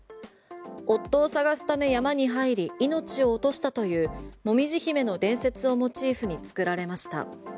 夫を捜すため山に入り命を落としたというもみじ姫の伝説をモチーフに作られました。